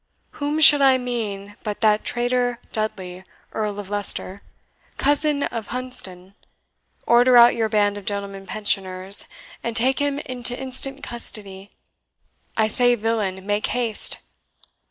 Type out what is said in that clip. "Whom should I mean, but that traitor Dudley, Earl of Leicester! Cousin of Hunsdon, order out your band of gentlemen pensioners, and take him into instant custody. I say, villain, make haste!"